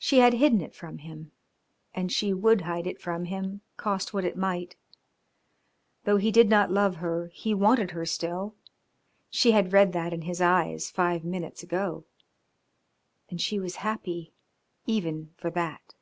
She had hidden it from him, and she would hide it from him cost what it might. Though he did not love her he wanted her still; she had read that in his eyes five minutes ago, and she was happy even for that.